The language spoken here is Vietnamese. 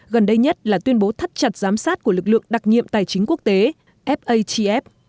gần đây nhất là tuyên bố thắt chặt giám sát của lực lượng đặc nhiệm tài chính quốc tế fatf